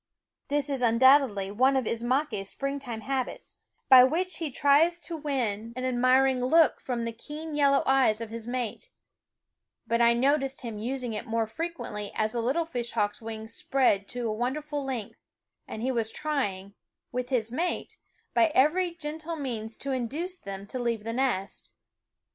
This is undoubtedly one of Ismaques' springtime habits, by which he tries to win 95 the "ishhau/k fhe an admiring look from the keen yellow eyes of his mate ; but I noticed him using it more ^ rec l ueri ^y as tne ntt ^ e fishhawks' wings spread to a wonderful length, and he was trying, with his mate, by every gentle means to induce them to leave the nest.